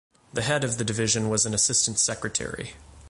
The head of the division was an Assistant Secretary.